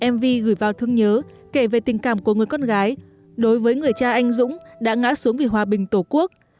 mv gửi vào thương nhớ kể về tình cảm của người con gái đối với người cha anh dũng đã ngã xuống vì hòa bình tổ quốc